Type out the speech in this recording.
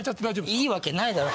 いいわけないだろ！